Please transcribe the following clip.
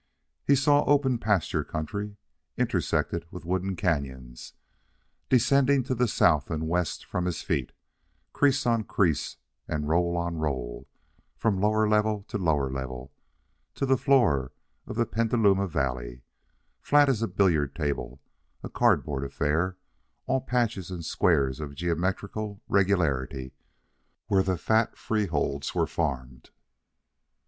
He saw open pasture country, intersected with wooded canons, descending to the south and west from his feet, crease on crease and roll on roll, from lower level to lower level, to the floor of Petaluma Valley, flat as a billiard table, a cardboard affair, all patches and squares of geometrical regularity where the fat freeholds were farmed.